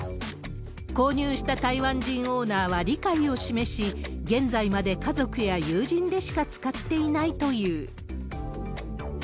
購入した台湾人オーナーは理解を示し、現在まで家族や友人でしか使っていないという。